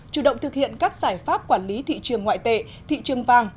chủ động thực hiện các giải pháp quản lý thị trường ngoại tệ thị trường vàng